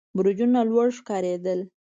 برجونه لوړ ښکارېدل.